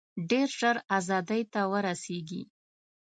ډېر ژر آزادۍ ته ورسیږي.